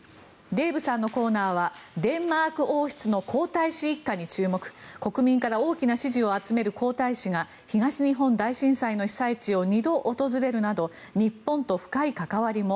デーブさんのコーナーはデンマーク王室の皇太子一家に注目国民から大きな支持を集める皇太子が東日本大震災の被災地を２度訪れるなど日本と深い関わりも。